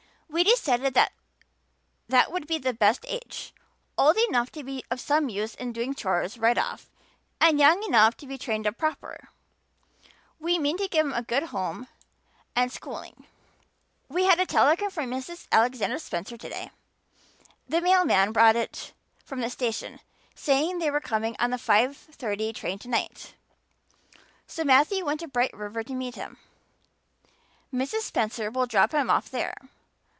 We decided that would be the best age old enough to be of some use in doing chores right off and young enough to be trained up proper. We mean to give him a good home and schooling. We had a telegram from Mrs. Alexander Spencer today the mail man brought it from the station saying they were coming on the five thirty train tonight. So Matthew went to Bright River to meet him. Mrs. Spencer will drop him off there.